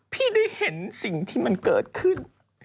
พี่ได้เห็นสิ่งที่มันเกิดขึ้น